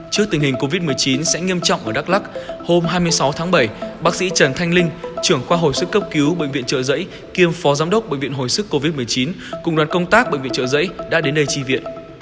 trước tình hình covid một mươi chín sẽ nghiêm trọng ở đắk lắc hôm hai mươi sáu tháng bảy bác sĩ trần thanh linh trưởng khoa hồi sức cấp cứu bệnh viện trợ giấy kiêm phó giám đốc bệnh viện hồi sức covid một mươi chín cùng đoàn công tác bệnh viện trợ giấy đã đến đây tri viện